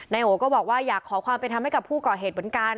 โอก็บอกว่าอยากขอความเป็นธรรมให้กับผู้ก่อเหตุเหมือนกัน